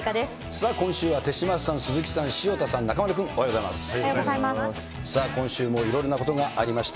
さあ、今週は手嶋さん、鈴木さん、潮田さん、中丸君、おはようござおはようございます。